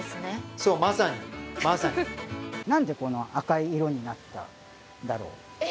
そうまさにまさに何でこの赤い色になったんだろう？え！